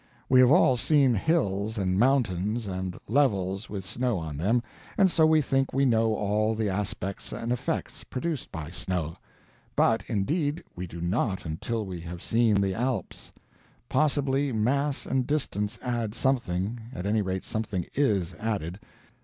We have all seen hills and mountains and levels with snow on them, and so we think we know all the aspects and effects produced by snow. But indeed we do not until we have seen the Alps. Possibly mass and distance add something at any rate, something IS added.